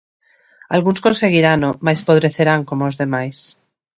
Algúns conseguirano mais podrecerán como os demais.